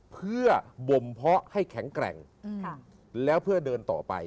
เพื่อบ่มเพาะให้แข็งแกร่งแล้วเพื่อเดินต่อไป